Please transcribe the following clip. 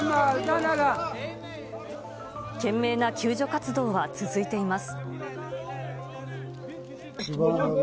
懸命な救助活動は続いています。